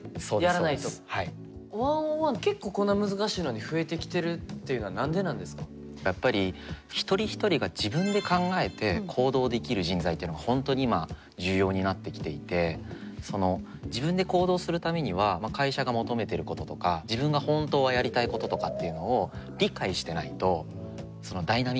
１ｏｎ１結構こんな難しいのにやっぱり一人一人が自分で考えて行動できる人材っていうのが本当に今重要になってきていてその自分で行動するためには会社が求めていることとか自分が本当はやりたいこととかっていうのを理解してないとダイナミックに動けないじゃないですか。